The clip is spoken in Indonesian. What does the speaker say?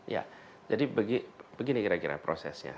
ya jadi begini kira kira prosesnya